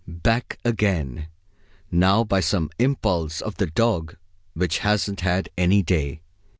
Back again, now, by some impulse of the dog which hasn't had any day.